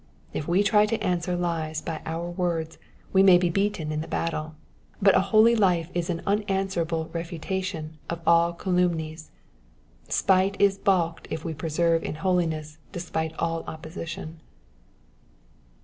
If we try to answer lies by our words we may be beaten in the battle ; but a holy life is an unanswerable refutation of all calumnies. Spite is balked if we persevere in holiness despite all oppoeition.